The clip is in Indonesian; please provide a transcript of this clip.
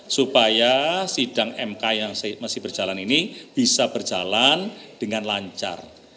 supaya sidang mk yang masih berjalan ini bisa berjalan dengan lancar